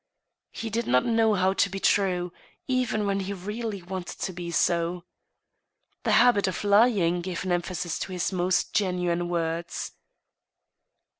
He did not know how to be true, even when he really wanted to be so, The habit of lying gave an emphasis to his most genuine words.